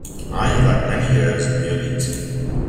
I have had many years in the elite.